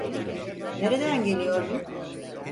Nereden geliyor bu?